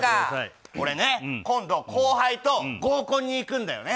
俺ね、今度後輩と合コンに行くんだよね。